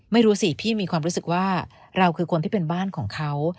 ไม่รู้สิพี่มีความรู้สึกว่าเราคือคนที่เป็นบ้านของเขา